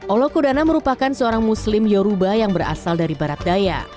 olokodana merupakan seorang muslim yoruba yang berasal dari barat daya